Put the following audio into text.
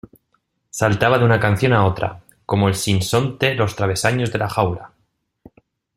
saltaba de una canción a otra, como el sinsonte los travesaños de la jaula